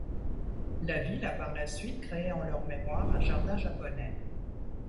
La ville a, par la suite, créé en leur mémoire un jardin japonais.